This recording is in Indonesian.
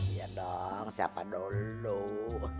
iya dong siapa dulu